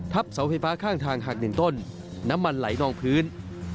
เสาไฟฟ้าข้างทางหักหนึ่งต้นน้ำมันไหลนองพื้น